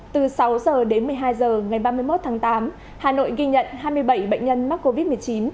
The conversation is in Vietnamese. từ sáu h đến một mươi hai h ngày ba mươi một tháng tám hà nội ghi nhận hai mươi bảy bệnh nhân mắc covid một mươi chín